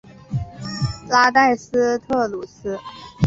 拉代斯特鲁斯。